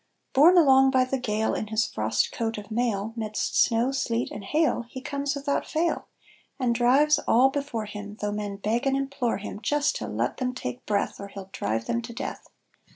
Borne along by the gale, In his frost coat of mail, Midst snow, sleet, and hail, He comes without fail, And drives all before him, Though men beg and implore him Just to let them take breath, Or he'll drive them to death.